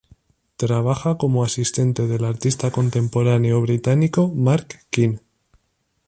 Trabaja como asistente del artista contemporáneo británico, Marc Quinn.